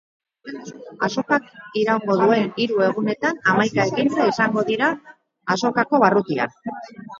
Azokak iraungo duen hiru egunetan hamaika ekintza izango dira azokako barrutian.